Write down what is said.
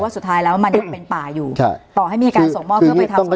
ว่าสุดท้ายแล้วมันยังเป็นป่าอยู่ใช่ต่อให้มีการส่งหม้อเพื่อไปทำส่งป่า